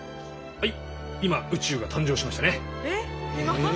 はい。